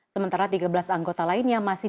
sementara tiga belas anggota lain yang masih